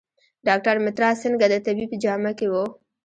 ډاکټر مترا سینګه د طبیب په جامه کې و.